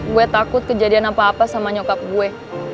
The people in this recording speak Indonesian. gue takut kejadian apa apa sama nyokap gue